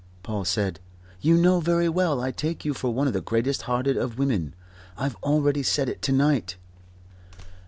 Paul said: "You know very well; I take you for one of the greatest hearted of women. I've already said it to night."